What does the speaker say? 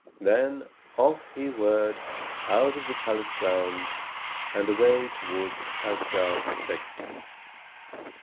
Then off he whirred out of the palace grounds and away toward Asgard's safety.